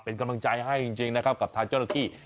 เป็นกำลังใจให้จริงกับท่านเจ้าลูกคี้